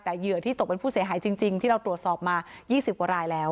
แต่เหยื่อที่ตกเป็นผู้เสียหายจริงที่เราตรวจสอบมา๒๐กว่ารายแล้ว